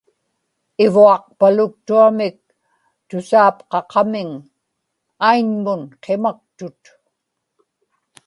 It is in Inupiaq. ivuaqpaluktuamik tusaapqaqamiŋ, aiñmun qimaktut